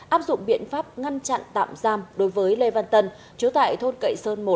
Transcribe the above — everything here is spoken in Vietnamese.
áp dụng biện pháp ngăn chặn tạm giam đối với lê văn tân chú tại thôn cậy sơn một